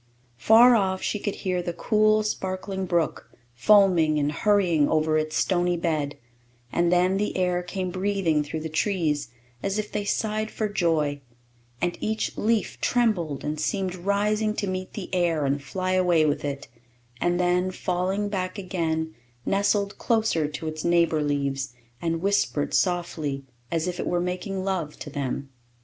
Far off she could hear the cool, sparkling brook foaming and hurrying over its stony bed; and then the air came breathing through the trees, as if they sighed for joy; and each leaf trembled, and seemed rising to meet the air and fly away with it, and then, falling back again, nestled closer to its neighbor leaves, and whispered softly, as if it were making love to them.